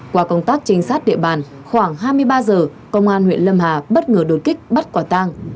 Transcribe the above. qua công tác trinh sát địa bàn khoảng hai mươi ba giờ công an huyện lâm hà bất ngờ đột kích bắt quả tang